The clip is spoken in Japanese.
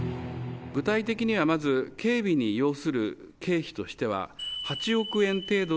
具体的にはまず、警備に要する経費としては、８億円程度。